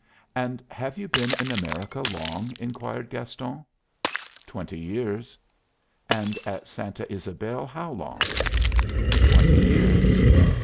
"And have you been in America long?" inquired Gaston. "Twenty years." "And at Santa Ysabel how long?" "Twenty years."